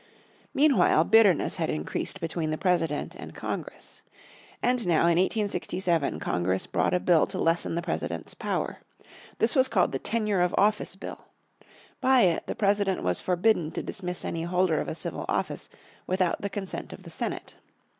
Meanwhile bitterness had increased between the President and Congress. And now in 1867 Congress brought a bill to lessen the President's power. This was called the Tenure of Office Bill. By it, the President was forbidden to dismiss any holder of a civil office without the consent of the Senate.